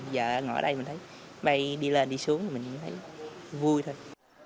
giờ ngồi ở đây mình thấy máy bay đi lên đi xuống mình thấy vui thôi